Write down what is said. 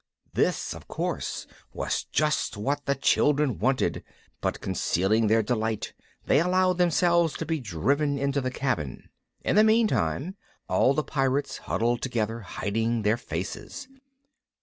This, of course, was just what the children wanted, but, concealing their delight, they allowed themselves to be driven into the cabin. In the meantime, all the Pirates huddled together, hiding their faces.